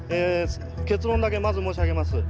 結論だけまず申し上げます。